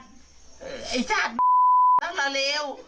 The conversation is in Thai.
ไอ้ชาติตั้งแต่แล้ว